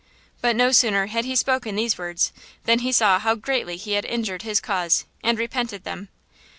But no sooner had he spoken these words than he saw how greatly he had injured his cause and repented them.